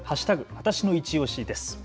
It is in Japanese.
わたしのいちオシです。